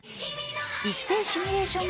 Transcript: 育成シミュレーション